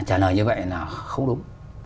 trả lời như vậy là không đúng